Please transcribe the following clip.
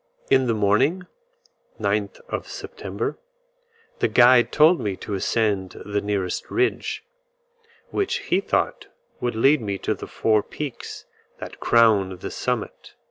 In the morning (9th of September) the guide told me to ascend the nearest ridge, which he thought would lead me to the four peaks that crown the summit.